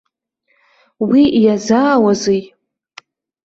Уи иазаауазеи.